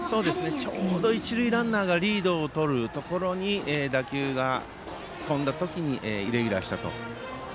ちょうど一塁ランナーがリードをとるところに打球が飛んだ時にイレギュラーしたと。